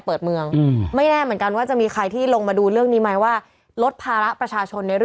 พี่ไม่ได้เรียกว่าไพ่